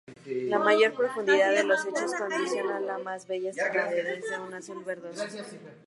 La mayor profundidad de los lechos condiciona las más bellas tonalidades de un azul-verdoso.